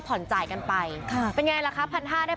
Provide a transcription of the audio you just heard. ผ่อนจ่ายกันไปเป็นไงล่ะคะ๑๕๐๐